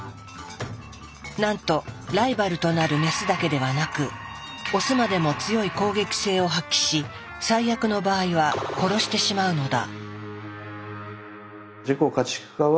なんとライバルとなるメスだけではなくオスまでも強い攻撃性を発揮し最悪の場合は殺してしまうのだ。